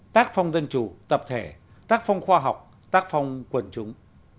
tác phong dân chủ tập thể tác phong khoa học tác phong quần chúng